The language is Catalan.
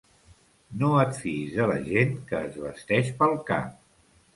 No et fiïs de la gent que es vesteix pel cap.